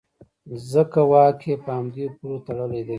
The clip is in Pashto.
ځکه واک یې په همدې پولو تړلی دی.